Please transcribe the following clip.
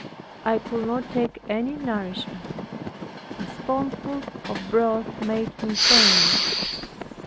I could not take any nourishment. A spoonful of broth made me faint.